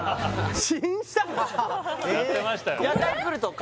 やってましたよね